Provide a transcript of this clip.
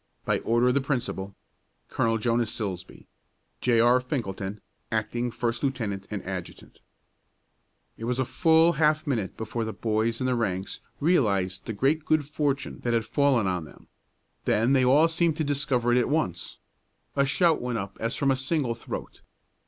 By order of the Principal, Col. JONAS SILSBEE. J. R. FINKELTON, Acting First Lieut. and Adjt. It was a full half minute before the boys in the ranks realized the great good fortune that had fallen on them. Then they all seemed to discover it at once. A shout went up as from a single throat.